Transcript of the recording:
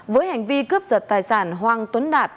với hành vi cướp giật tài sản hoàng tuấn đạt